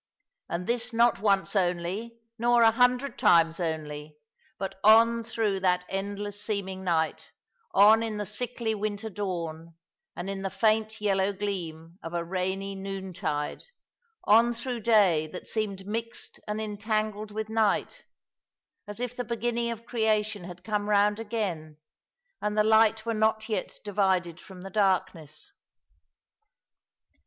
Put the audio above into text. And this not once only, nor a hundred times only, but on through that endless seeming night, on in the sickly winter dawn and in the faint yellow gleam of a rainy noontide— on through day that seemed mixed and entangled with night, as if the beginning of creation had come round again, and the light were not yet divided from the darkness.